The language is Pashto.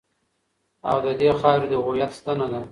او د دې خاورې د هویت ستنه ده.